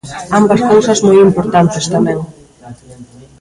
Ambas cousas moi importantes, tamén.